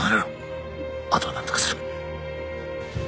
あとはなんとかする。